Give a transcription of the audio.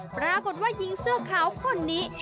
ปรากฏว่าหญิงเสื้อขาวคนนี้